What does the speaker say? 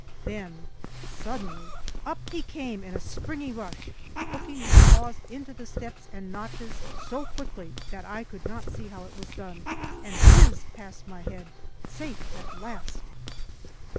Then suddenly up he came in a springy rush, hooking his paws into the steps and notches so quickly that I could not see how it was done, and whizzed past my head, safe at last!